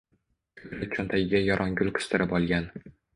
Ko`krak cho`ntagiga yorongul qistirib olgan